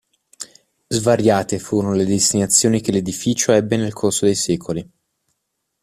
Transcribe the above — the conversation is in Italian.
Svariate furono le destinazioni che l'edificio ebbe nel corso dei secoli.